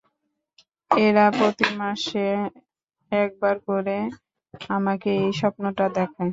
এরা প্রতি মাসে একবার করে আমাকে এই স্বপ্নটা দেখায়।